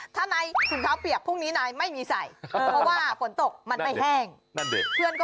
ถ้านายพูดว่าถุงขาวเปียก